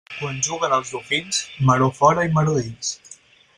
Quan juguen els dofins, maror fora i maror dins.